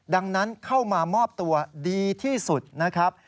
ดังนั้นเข้ามามอบตัวดีที่สุดนะครับ